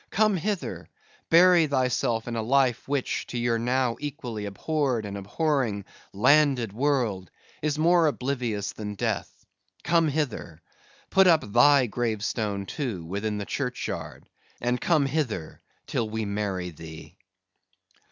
Come hither! bury thyself in a life which, to your now equally abhorred and abhorring, landed world, is more oblivious than death. Come hither! put up thy gravestone, too, within the churchyard, and come hither, till we marry thee!"